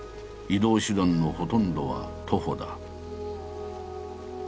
移動手段のほとんどは徒歩だ。